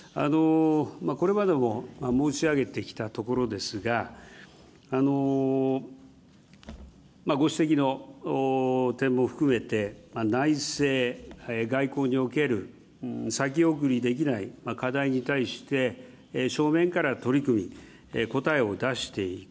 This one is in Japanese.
これまでも申し上げてきたところですが、ご指摘の点も含めて、内政、外交における先送りできない課題に対して、正面から取り組み、答えを出していく。